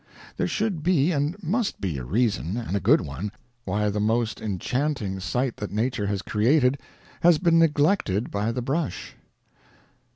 There should be, and must be, a reason, and a good one, why the most enchanting sight that Nature has created has been neglected by the brush.